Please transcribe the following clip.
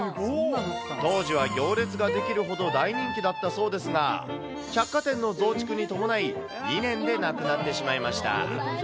当時は行列が出来るほど大人気だったそうですが、百貨店の増築に伴い、２年でなくなってしまいました。